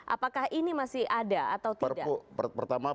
apakah ini masih ada atau tidak